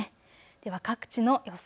では各地の予想